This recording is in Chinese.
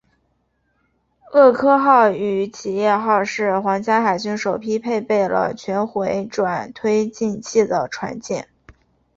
厄科号与企业号是皇家海军首批配备了全回转推进器的船舰。